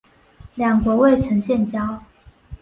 两国未曾建交。